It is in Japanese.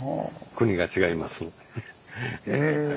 国が違いますので。